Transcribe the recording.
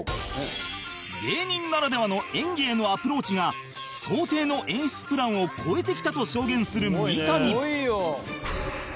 芸人ならではの演技へのアプローチが想定の演出プランを超えてきたと証言する三谷